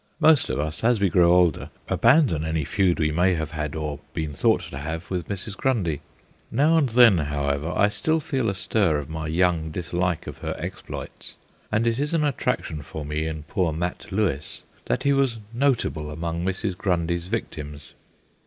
Most of us, as we grow older, abandon any feud we may have had, or been thought to have, with Mrs. Grundy. Now and then, however, I still feel a stir of my young dis like of her exploits, and it is an attraction for me in poor Mat Lewis that he was notable among Mrs. Grundy's victims.